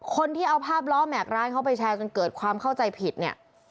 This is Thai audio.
คนที่เอาภาพล้อแม็กซร้านเขาไปแชร์จนเกิดความเข้าใจผิดเนี่ย